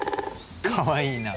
かわいいな。